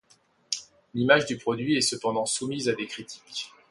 L'image du produit est cependant soumise à des critiques.